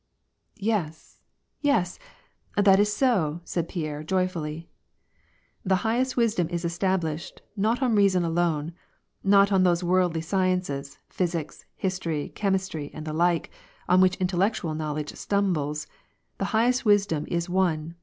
" Yes, yes. that is so," said Pierre, joyfully. " The highest wisdom is establislied, not on reason alone, not on those worldly sciences, physics, history, chemistry, and the like, on which intellectual knowledge stumbles. The highest wisdom is one.